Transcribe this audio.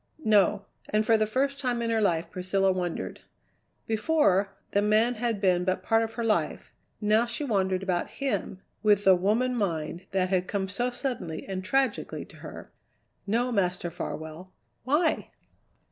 "No." And for the first time in her life Priscilla wondered. Before, the man had been but part of her life; now she wondered about him, with the woman mind that had come so suddenly and tragically to her. "No, Master Farwell, why?"